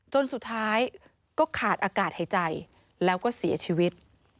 จนสุดท้ายก็ขาดอากาศหายใจแล้วก็เสียชีวิต